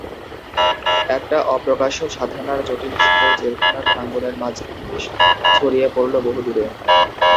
একটা অপ্রকাশ্য সাধনার জটিল শিকড় জেলখানার প্রাঙ্গণের মাঝখান দিয়ে ছড়িয়ে পড়ল বহুদূরে।